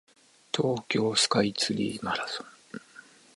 東京スカイツリーソラマチ